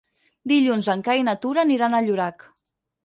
Dilluns en Cai i na Tura aniran a Llorac.